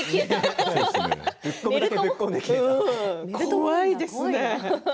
怖いですね。